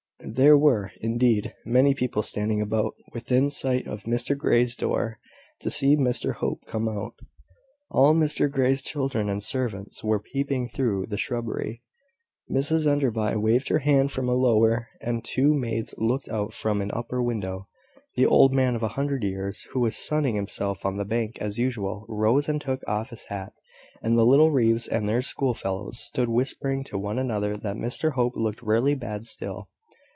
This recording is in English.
There were, indeed, many people standing about, within sight of Mr Grey's door, to see Mr Hope come out. All Mr Grey's children and servants were peeping through the shrubbery. Mrs Enderby waved her hand from a lower, and her two maids looked out from an upper window. The old man of a hundred years, who was sunning himself on the bank, as usual, rose and took off his hat: and the little Reeves and their schoolfellows stood whispering to one another that Mr Hope looked rarely bad still.